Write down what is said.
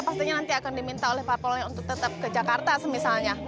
pastinya nanti akan diminta oleh parpolnya untuk tetap ke jakarta semisalnya